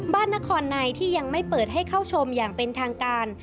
นครในที่ยังไม่เปิดให้เข้าชมอย่างเป็นทางการ